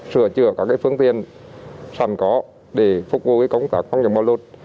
sửa chữa các phương tiện sẵn có để phục vụ công tác phong nhập bão lũ